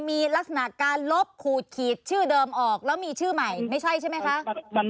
มีลักษณะการลบขูดขีดชื่อเดิมออกแล้วมีชื่อใหม่ไม่ใช่ใช่ไหมคะ